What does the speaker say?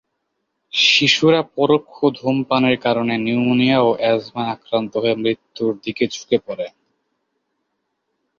শিশুরা পরোক্ষ ধূমপানের কারণে নিউমোনিয়া ও অ্যাজমায় আক্রান্ত হয়ে মৃত্যুর দিকে ঝুঁকে পড়ে।